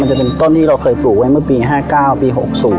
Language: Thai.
จะเป็นต้นที่เราเคยปลูกไว้เมื่อปี๕๙ปี๖๐